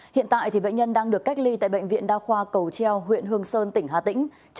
hiện tại bệnh nhân đang được cách ly tại bệnh viện đa khoa cầu treo huyện hương sơn tỉnh hà tĩnh